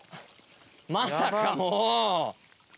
まさかもう！